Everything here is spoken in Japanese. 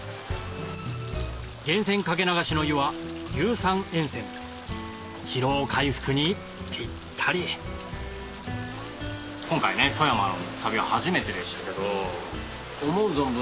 源泉掛け流しの湯は硫酸塩泉疲労回復にピッタリ今回ね富山の旅は初めてでしたけど思う存分